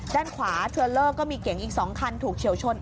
ด้านขวาเทรลเลอร์ก็มีเก๋งอีก๒คันถูกเฉียวชน